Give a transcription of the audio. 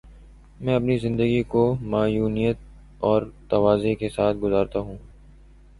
میں اپنی زندگی کو معنویت اور تواضع کے ساتھ گزارتا ہوں۔